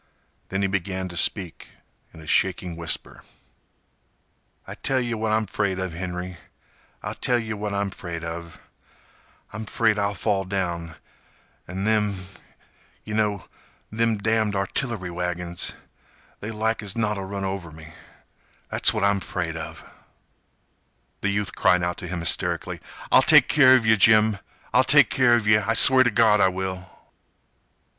Then he began to speak in a shaking whisper: "I tell yeh what I'm 'fraid of, Henry—I'll tell yeh what I'm 'fraid of. I'm 'fraid I'll fall down—an' them yeh know—them damned artillery wagons—they like as not 'll run over me. That's what I'm 'fraid of—" The youth cried out to him hysterically: "I'll take care of yeh, Jim! I'll take care of yeh! I swear t' Gawd I will!"